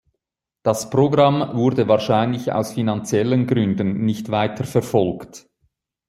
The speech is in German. Das Programm wurde wahrscheinlich aus finanziellen Gründen nicht weiter verfolgt.